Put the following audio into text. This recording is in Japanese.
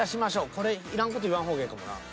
これいらん事言わん方がええかもな。